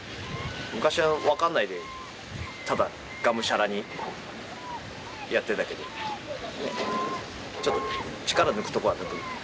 昔は分かんないでただがむしゃらにやってたけどちょっと力を抜くところは抜く。